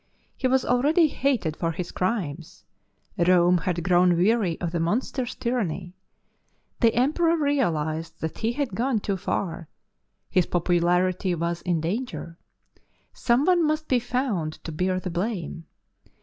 He was already hated for his crimes; Rome had grown weary of the monster's tyranny. The Emperor realized that he had gone too far; his popularity was in danger. Someone must be found to bear the blame.